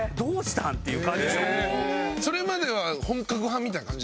それまでは本格派みたいな感じ？